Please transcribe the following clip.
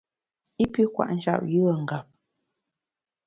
I pi kwet njap yùe ngap.